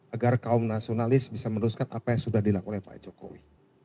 agar kaum nasionalis bisa meneruskan apa yang sudah dilakukan oleh pak jokowi